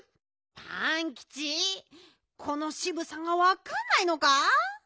パンキチこのしぶさがわかんないのか？